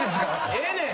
ええねん。